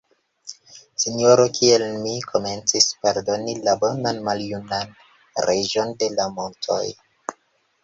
Sinjoro, kiel mi komencis pardoni la bonan maljunan Reĝon de la montoj!